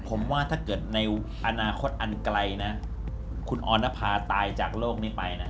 ผมว่าถ้าเกิดในอนาคตอันไกลนะคุณออนภาตายจากโลกนี้ไปนะ